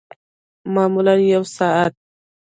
معمولاً یوه ساعت